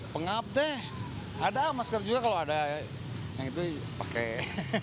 pengap deh ada masker juga kalau ada yang itu pakai